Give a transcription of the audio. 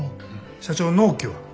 社長納期は？